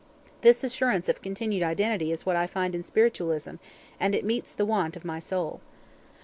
This assurance of continued identity is what I find in spiritualism; and it meets the wants of my soul."